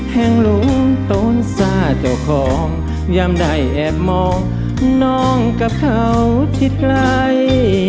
แห่งหลวงโตนซ่าเจ้าของยำได้แอบมองน้องกับเขาคิดไกล